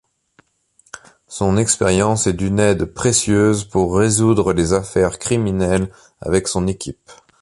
Son expérience est d'une aide précieuse pour résoudre les affaires criminelles avec son équipe.